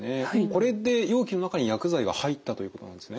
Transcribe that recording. これで容器の中に薬剤が入ったということなんですね。